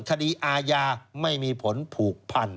คดีอาญาไม่มีผลผูกพัน